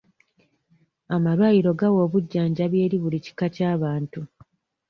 Amalwaliro gawa obujjanjabi eri buli kika ky'abantu.